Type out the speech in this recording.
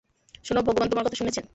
শুনো, ভগবান তোমার কথা শুনেছেন।